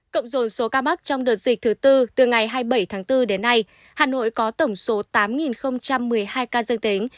cộng dồn số ca mắc trong đợt dịch thứ tư từ ngày hai mươi bảy tháng bốn đến nay hà nội có tổng số tám một mươi hai ca dương tính